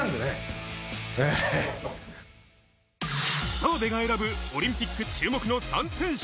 澤部が選ぶオリンピック注目の３選手。